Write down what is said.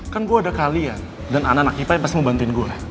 kan gue ada kalian dan anak anak ipah yang pasti mau bantuin gue